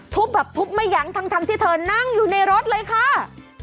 แบบทุบไม่ยั้งทั้งที่เธอนั่งอยู่ในรถเลยค่ะ